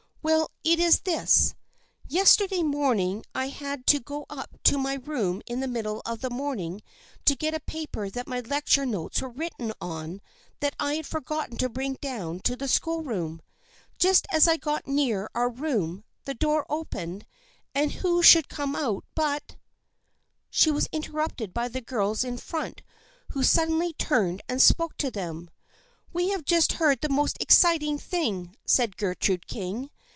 " Well, it is this. Yesterday morning I had to THE FRIENDSHIP OF ANNE 69 go up to my room in the middle of the morning to get a paper that my lecture notes were written on that I had forgotten to bring down to the school room. Just as I got near our room the door opened and who should come out but " She was interrupted by the girls in front who suddenly turned and spoke to them. " We have just heard the most exciting thing," said Gertrude King.